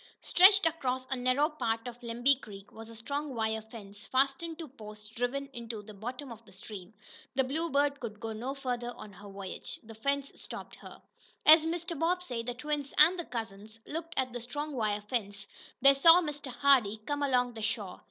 Stretched across a narrow part of Lemby Creek was a strong wire fence, fastened to posts driven into the bottom of the stream. The Bluebird could go no farther on her voyage. The fence stopped her. As Mr. Bobbsey, the twins and the cousins looked at the strong wire fence, they saw Mr. Hardee come along the shore.